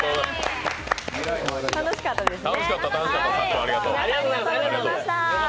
楽しかったですね。